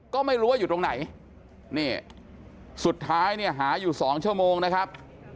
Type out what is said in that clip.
ก็ไม่รู้ว่าอยู่ตรงไหนนี่สุดท้ายเนี่ยหาอยู่๒ชั่วโมงนะครับ